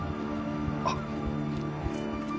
あっ。